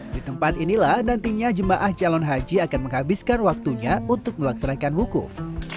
di tempat inilah nantinya jemaah calon haji akan menghabiskan waktunya untuk melaksanakan wukuf